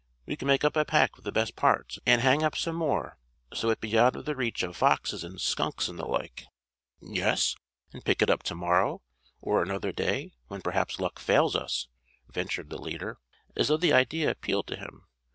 We could make up a pack of the best parts; and hang up some more so it'd be out of the reach of foxes and skunks, and the like." "Yes, and pick it up to morrow, or another day, when perhaps luck fails us," ventured the leader, as though the idea appealed to him.